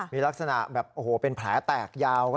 มีลักษณะแบบโอ้โหเป็นแผลแตกยาว